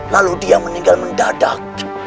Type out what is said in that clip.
lalu dia meninggal mendadak